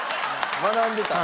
学んでた？